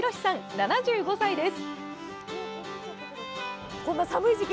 ７５歳です。